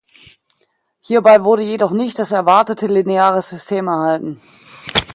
Hierbei wurde jedoch nicht das erwartete lineare System erhalten.